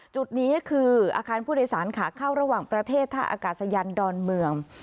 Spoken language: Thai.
จุดนี้คืออาคารผู้โดยสารขาเข้าระหว่างประเทศท่าอากาศยานดอนเมือง